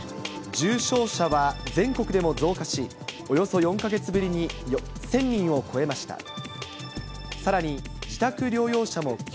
重症者は全国でも増加し、およそ４か月ぶりに１０００人を超えました。